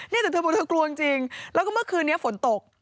นี่แต่เธอบอกเธอกลัวจริงแล้วก็เมื่อคืนนี้ฝนตก